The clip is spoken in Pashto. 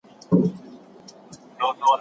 د پلار هر قهر د اولاد د اصلاح لپاره یو پټ رحم وي.